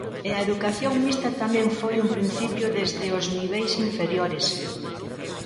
E a educación mixta tamén foi un principio desde os niveis inferiores.